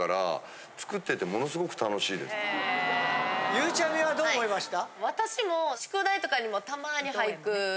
ゆうちゃみはどう思いました？